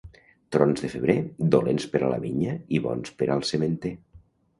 Trons de febrer, dolents per a la vinya i bons per al sementer.